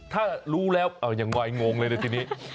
ถ้ารู้แล้วยังวายงงเลยนะทีนี้